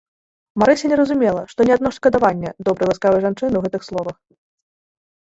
Марыся не разумела, што не адно шкадаванне добрай, ласкавай жанчыны ў гэтых словах.